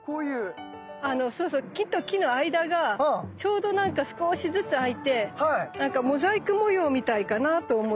木と木の間がちょうどなんか少しずつあいてなんかモザイク模様みたいかなと思って。